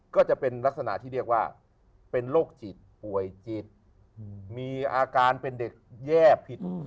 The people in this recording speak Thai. ก็จะเป็นลักษณะที่เรียกว่าเป็นโรคจิตป่วยจิตมีอาการเป็นเด็กแย่ผิด